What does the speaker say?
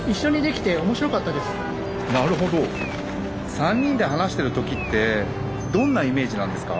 ３人で話してる時ってどんなイメージなんですか？